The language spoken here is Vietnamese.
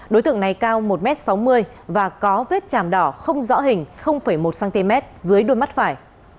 đối tượng này cao một m sáu mươi và có vết chàm đỏ không rõ hình một cm dưới đuôi mắt phải